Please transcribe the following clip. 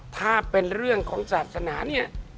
ถ้าเป็นเรื่องของศาสนาเนี่ย